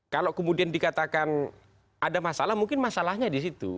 kalau kemudian dikatakan ada masalah mungkin masalahnya di situ